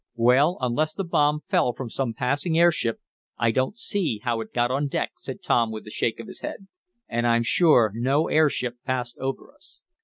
"Well, unless the bomb fell from some passing airship, I don't see how it got on deck," said Tom with a shake of his head. "And I'm sure no airship passed over us."